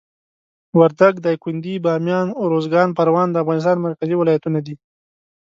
وردګ، دایکندي، بامیان، اروزګان، پروان د افغانستان مرکزي ولایتونه دي.